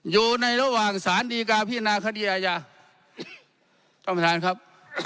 อยู่ในระหว่างสารดีการณ์พินาคดีอาจารย์ต้องประทานครับ